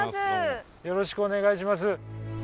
よろしくお願いします。